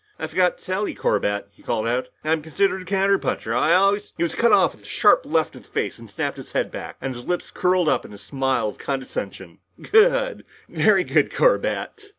"I forgot to tell you, Corbett," he called out, "I'm considered a counterpuncher. I always " He was cut off with a sharp left to the face that snapped his head back, and his lips curled in a smile of condescension. "Good very good, Corbett."